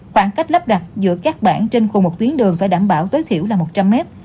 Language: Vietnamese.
khoảng cách lắp đặt giữa các bản trên cùng một tuyến đường phải đảm bảo tối thiểu là một trăm linh mét